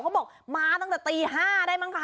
เขาบอกมาตั้งแต่ตี๕ได้มั้งคะ